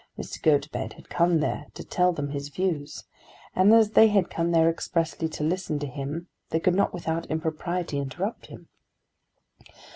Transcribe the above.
Mr. Gotobed had come there to tell them his views, and as they had come there expressly to listen to him, they could not without impropriety interrupt him.